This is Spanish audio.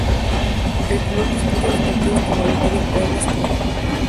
El club disputa sus partidos como local en el Estadio Ernest Pohl.